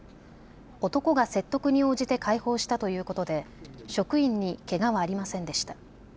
男が説得に応じて解放したということで、職員にけがはありませんでした。